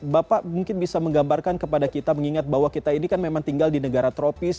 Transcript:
bapak mungkin bisa menggambarkan kepada kita mengingat bahwa kita ini kan memang tinggal di negara tropis